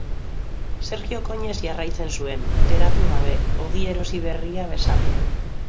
Sergiok oinez jarraitzen zuen, geratu gabe, ogi erosi berria besapean.